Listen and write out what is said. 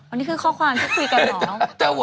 อันนี้คือข้อความที่คุยกันเหรอ